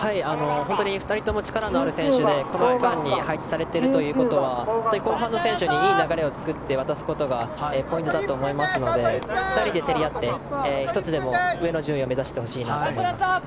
２人とも力のある選手でこの区間に配置されているということは後半の選手にいい流れを作って渡すことがポイントだと思いますので２人で競り合って１つでも上の順位を目指してほしいと思います。